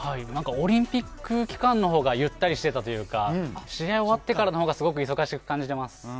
オリンピック期間のほうがゆったりしてたというか試合終わってからのほうがすごく忙しく感じてます。